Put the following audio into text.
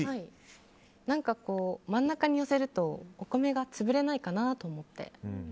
何か、真ん中に寄せるとお米が潰れないかなと思って。